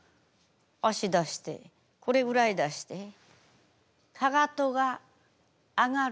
足出してこれぐらい出してかかとが上がる。